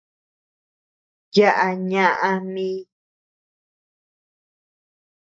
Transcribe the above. Yaʼa ñaʼa mii.